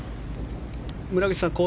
村口さん